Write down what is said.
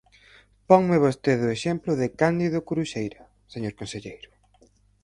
Ponme vostede o exemplo de Cándido Curuxeira, señor conselleiro.